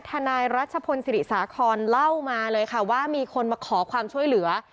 นายรัชพลศิริสาครเล่ามาเลยค่ะว่ามีคนมาขอความช่วยเหลือ